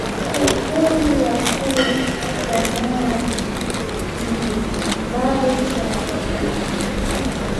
Ku pori ya ku kamoa ni mbari sana